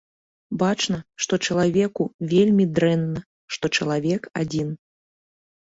Бачна, што чалавеку вельмі дрэнна, што чалавек адзін.